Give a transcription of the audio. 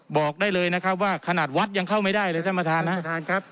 บอกได้เลยนะครับว่าขนาดวัดยังเข้าไม่ได้เลยท่านประธานนะประธานครับ